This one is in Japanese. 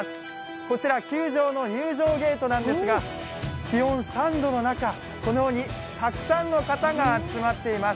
こちら球場の入場ゲートなんですが、気温３度の中、このようにたくさんの方が集まっています。